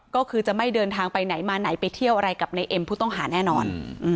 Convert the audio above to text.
ก็คือจะไม่เดินทางไปไหนมาไหนไปเที่ยวอะไรกับในเอ็มผู้ต้องหาแน่นอน